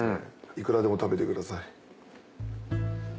いくらでも食べてください。